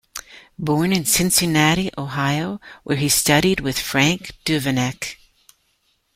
Born in Cincinnati, Ohio, where he studied with Frank Duveneck.